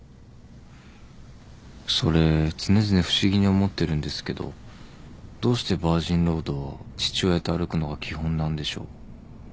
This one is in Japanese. それ常々不思議に思ってるんですけどどうしてバージンロードは父親と歩くのが基本なんでしょう？